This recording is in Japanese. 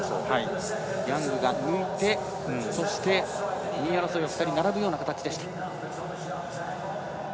ヤングが抜いてそして、２位争いが２人並ぶような形でした。